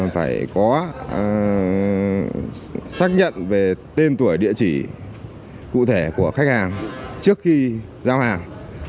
phải có xác nhận về tên tuổi địa chỉ cụ thể của khách hàng trước khi giao hàng